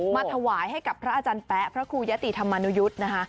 มาถวายให้กับพระอาจารย์แป๊ะพระครูยะติธรรมนุยุทธ์นะคะ